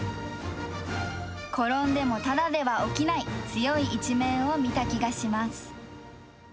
転んでもただでは起きない、強い一面を見た気がします。